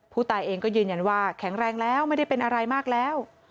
ผู้ตายเองก็ยืนยันว่าแข็งแรงแล้วไม่ได้เป็นอะไรมากแล้ว